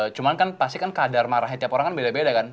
cuman kan pasti kan kadar marahnya tiap orang kan beda beda kan